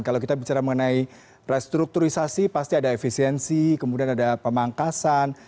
kalau kita bicara mengenai restrukturisasi pasti ada efisiensi kemudian ada pemangkasan